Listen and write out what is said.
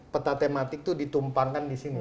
peta tematik tuh ditumpangkan disini